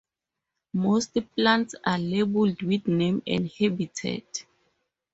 Most plants are labeled with name and habitat.